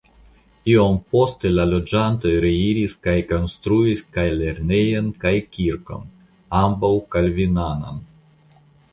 Iom poste la loĝantoj reiris kaj konstruis kaj lernejon kaj kirkon (ambaŭ kalvinanan).